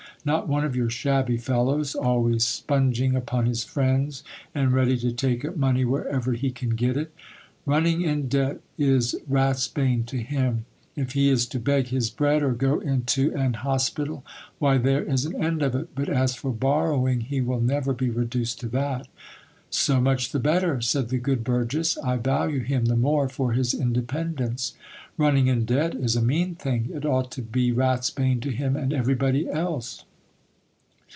Not one of your shabby fellows, al ways spunging upon his friends, and ready to take up money wherever he can get it ! Running in debt is ratsbane to him. If he is to beg his bread or go into an hospital, why there is an end of it ! but as for borrowing, he will never be reduced to that. So much the better ! said the good burgess : I value him the more for his independence. Running in debt is a mean thing ; it ought to be ratsbane to him and everybody else.